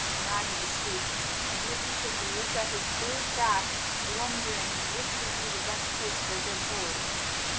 Nag was asleep, and Rikki tikki looked at his big back, wondering which would be the best place for a good hold.